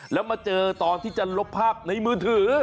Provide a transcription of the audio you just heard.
แล้วมาเจอตอนที่จะลบภาพในมือถือ